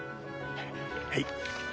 はい。